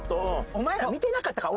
お前ら見てなかったか？